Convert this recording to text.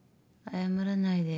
謝らないで。